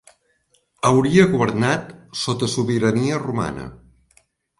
Hauria governat sota sobirania romana.